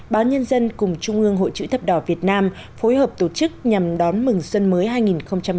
báo nhân dân cùng trung ương hội chữ thập đỏ việt nam phối hợp tổ chức nhằm đón mừng xuân mới hai nghìn hai mươi